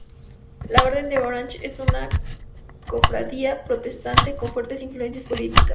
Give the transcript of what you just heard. La Orden de Orange es una cofradía protestante con fuertes influencias políticas.